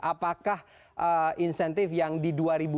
apakah insentif yang di dua ribu dua puluh